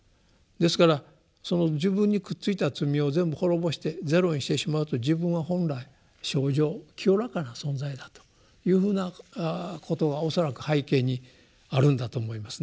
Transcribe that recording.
ですからその自分にくっついた罪を全部滅ぼしてゼロにしてしまうと自分は本来清浄清らかな存在だというふうなことが恐らく背景にあるんだと思いますね。